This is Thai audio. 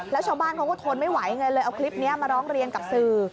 แล้วชาวบ้านเขาก็ทนไม่ไหวไงเลยเอาคลิปนี้มาร้องเรียนกับสื่อ